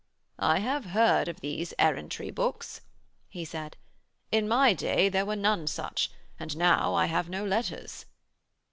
'I have heard of these Errantry books,' he said. 'In my day there were none such, and now I have no letters.'